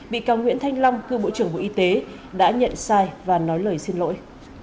bị cáo nguyễn thanh long cựu bộ trưởng bộ y tế đã nhận sai và nói lời xin lỗi